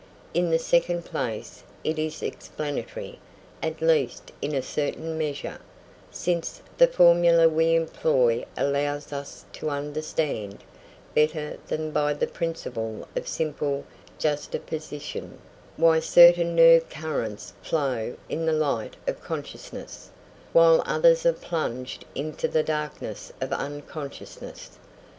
In the second place, it is explanatory, at least in a certain measure, since the formula we employ allows us to understand, better than by the principle of a simple juxtaposition, why certain nerve currents flow in the light of consciousness, while others are plunged into the darkness of unconsciousness.